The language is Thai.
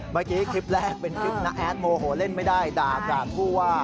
เมื่อกี้คลิปแรกเป็นคลิปน้าแอดโมโหเล่นไม่ได้ด่ากาดผู้ว่า